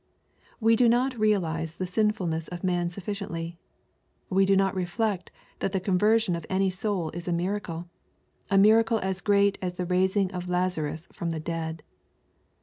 We do not real ize the sinfulness of man sufficiently. We do not reflect that the conversion of any soul is a miracle, — a miracle as great as the raising of Lazarus from the dead.